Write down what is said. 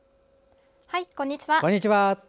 こんにちは。